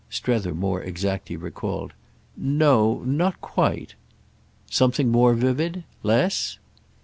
Strether more exactly recalled. "No—not quite." "Something more vivid? Less?"